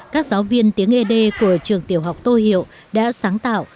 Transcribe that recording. các giáo viên tiếng ế đê của trường tiểu học tô hiệu đã sáng tạo